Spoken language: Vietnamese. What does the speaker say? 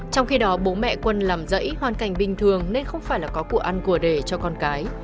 trong khi đó bố mẹ quân làm rẫy hoàn cảnh bình thường nên không phải có cụ ăn của để cho con cái